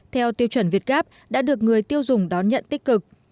theo tiêu chuẩn việt gáp đã được người tiêu dùng đón nhận tích cực